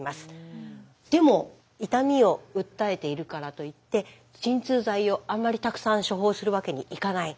でも痛みを訴えているからといって鎮痛剤をあんまりたくさん処方するわけにいかない。